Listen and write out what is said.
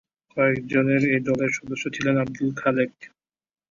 কয়েকজনের এই দলের সদস্য ছিলেন আবদুল খালেক।